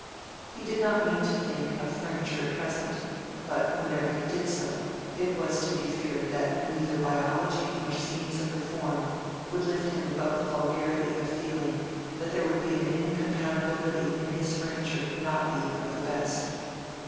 He did not mean to think of furniture at present; but whenever he did so it was to be feared that neither biology nor schemes of reform would lift him above the vulgarity of feeling that there would be an incompatibility in his furniture not being of the best.